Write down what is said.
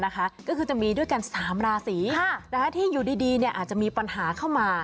ก็คือจะมีด้วยกัน๓ราศีที่อยู่ดีอาจจะมีปัญหาเข้ามา